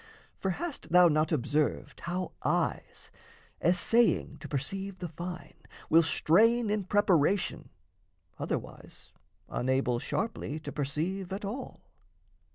For hast thou not observed How eyes, essaying to perceive the fine, Will strain in preparation, otherwise Unable sharply to perceive at all?